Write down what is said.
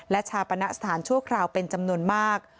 และชาปณะสถานชั่วคราวเป็นจำนวนมาก